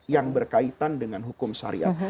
yang berkaitan dengan hukum syariat